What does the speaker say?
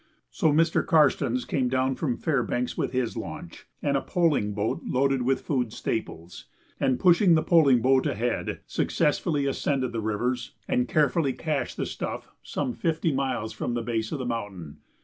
So Mr. Karstens came down from Fairbanks with his launch, and a poling boat loaded with food staples, and, pushing the poling boat ahead, successfully ascended the rivers and carefully cached the stuff some fifty miles from the base of the mountain.